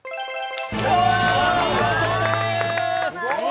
お見事です！